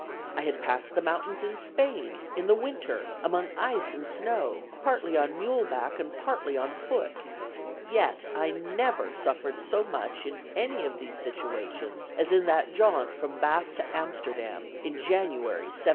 I had passed the mountains in Spain, in the winter, among ice and snow, partly on mule back and partly on foot; yet I never suffered so much in any of these situations as in that jaunt from Bath to Amsterdam, in January, 1784.